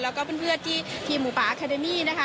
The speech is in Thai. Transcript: แล้วก็เพื่อนที่ทีมหมูป่าอาคาเดมี่นะคะ